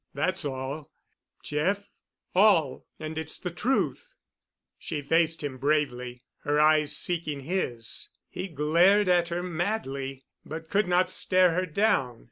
That's all, Jeff—all—and it's the truth." She faced him bravely, her eyes seeking his. He glared at her madly, but could not stare her down.